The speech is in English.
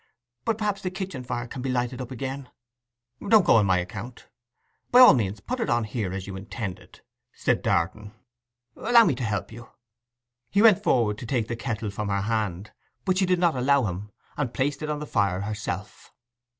But perhaps the kitchen fire can be lighted up again.' 'Don't go on my account. By all means put it on here as you intended,' said Darton. 'Allow me to help you.' He went forward to take the kettle from her hand, but she did not allow him, and placed it on the fire herself.